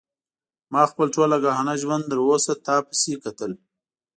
ما خپل ټول آګاهانه ژوند تر اوسه تا پسې کتل.